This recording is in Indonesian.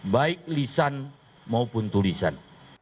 baik lisan maupun tulisan